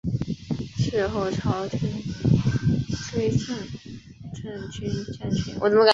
事后朝廷追赠镇军将军。